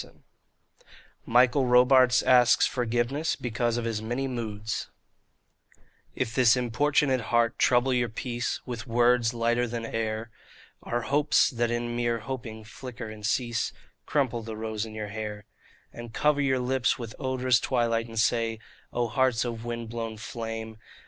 36 MICHAEL ROBARTES ASKS FOR GIVENESS BECAUSE OF HIS MANY MOODS If this importunate heart trouble your peace With words lighter than air, Or hopes that in mere hoping flicker and cease ; Crumple the rose in your hair; And cover your lips with odorous twilight and say, ' O Hearts of wind blown flame